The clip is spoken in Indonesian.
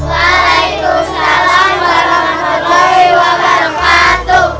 waalaikumsalam warahmatullahi wabarakatuh